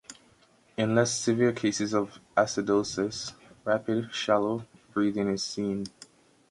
In less severe cases of acidosis, rapid, shallow breathing is seen.